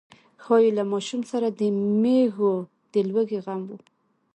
ښايي له ماشوم سره د مېږو د لوږې غم و.